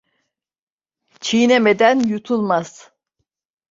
Çiğnemeden yutulmaz.